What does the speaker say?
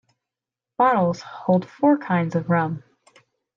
Bottles hold four kinds of rum.